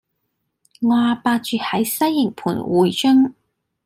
我阿伯住喺西營盤薈臻